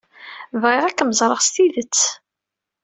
Bɣiɣ ad kem-ẓreɣ s tidet.